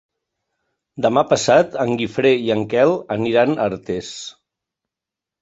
Demà passat en Guifré i en Quel aniran a Artés.